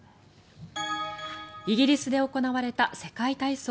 イギリスで行われた世界体操。